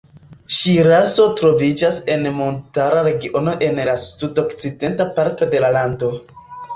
Ŝirazo troviĝas en montara regiono en la sud-okcidenta parto de la lando.